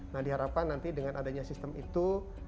nah diharapkan nanti dengan adanya sistem itu